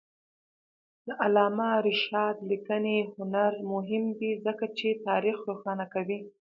د علامه رشاد لیکنی هنر مهم دی ځکه چې تاریخ روښانه کوي.